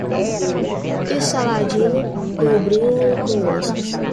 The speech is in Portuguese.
E Saladino cobriu-o com lanças!